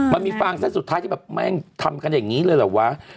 มันมีฟางเส้นสุดท้ายที่แบบแม่งทำกันอย่างนี้เลยเหรอวะ